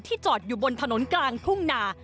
จอดอยู่บนถนนกลางทุ่งนา